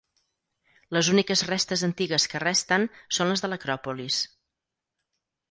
Les úniques restes antigues que resten són les de l'acròpolis.